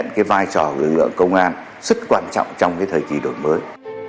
ông ghi nhận cái vai trò của lực lượng công an rất là quan trọng trong cái thời kỳ đổi mới